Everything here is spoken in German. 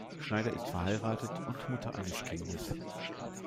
Schneider ist verheiratet und Mutter eines Kindes.